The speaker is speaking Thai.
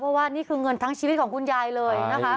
เพราะว่านี่คือเงินทั้งชีวิตของคุณยายเลยนะคะ